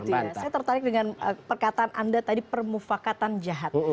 saya tertarik dengan perkataan anda tadi permufakatan jahat